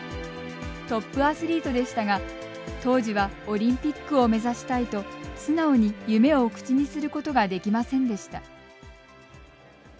トップアスリートでしたが当時はオリンピックを目指したいと素直に夢を口にすることができませんでした。